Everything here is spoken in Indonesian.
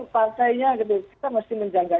partainya gitu kita mesti menjaga